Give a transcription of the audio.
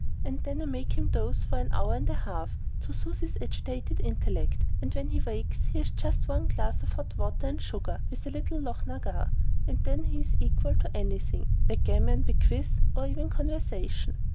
And then I make him doze for an hour and a half, to soothe his agitated intellect. And when he wakes he has just one glass of hot water and sugar, with a little Lochnagar. And then he is equal to any thing backgammon, bezique, or even conversation."